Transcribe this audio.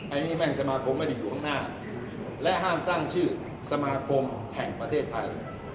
อันนี้แม่งสมาคมไม่ได้อยู่ข้างหน้าและห้ามตั้งชื่อสมาคมแห่งประเทศไทย